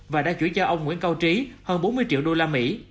và đã chủi cho ông nguyễn cao trí hơn bốn mươi triệu đô la mỹ